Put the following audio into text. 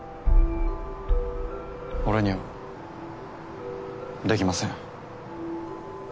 俺にはできません。